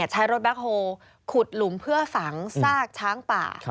ใช้รถแบ็คโฮลขุดหลุมเพื่อฝังซากช้างป่า